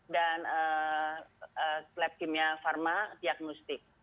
dan lab kimia farma diagnostik